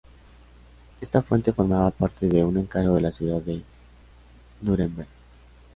Esta fuente formaba parte de un encargo de la ciudad de Núremberg.